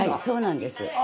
そうなんです。